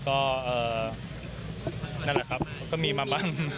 ก็นั่นแหละครับก็มีมาบ้าง